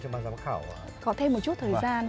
trong ban giám khảo có thêm một chút thời gian